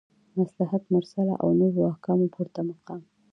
مصلحت مرسله او نورو احکامو پورته مقام